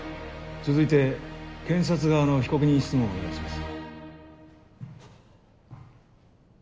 続いて検察側の被告人質問をお願いします。